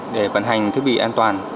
để phản hành thiết bị an toàn